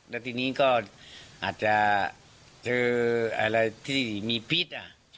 แล้วทีนี้ก็อาจจะเจออะไรที่มีพิษ